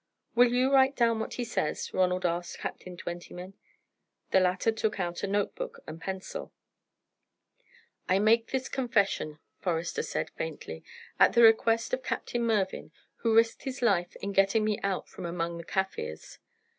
"Will you write down what he says?" Ronald asked Captain Twentyman. The latter took out a note book and pencil. "I make this confession," Forester said, faintly, "at the request of Captain Mervyn, who risked his life in getting me out from among the Kaffirs.